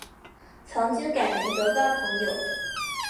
曾经改名德高朋友。